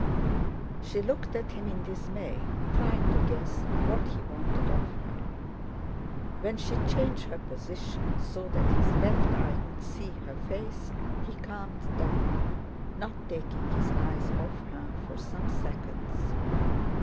She looked at him in dismay trying to guess what he wanted of her. When she changed her position so that his left eye could see her face he calmed down, not taking his eyes off her for some seconds.